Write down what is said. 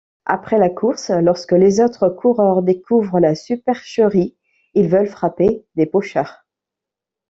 Après la course, lorsque les autres coureurs découvrent la supercherie, ils veulent frapper Debosscher.